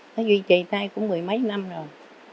nó duy trì nay cũng mười mấy năm rồi